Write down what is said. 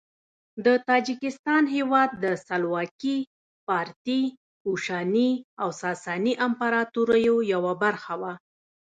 د تاجکستان هیواد د سلوکي، پارتي، کوشاني او ساساني امپراطوریو یوه برخه وه.